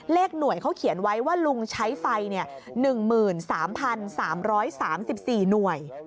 หน่วยเขาเขียนไว้ว่าลุงใช้ไฟ๑๓๓๔หน่วย